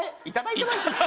いただいてます？